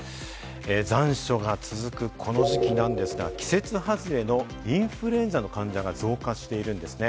残暑が続くこの時期なんですが、季節外れのインフルエンザの患者が増加しているんですね。